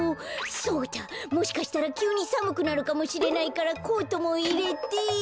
そうだもしかしたらきゅうにさむくなるかもしれないからコートもいれて。